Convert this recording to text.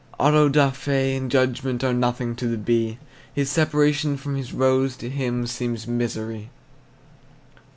Auto da fe and judgment Are nothing to the bee; His separation from his rose To him seems misery.